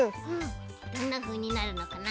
どんなふうになるのかな。